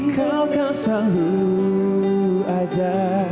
kau kan selalu ada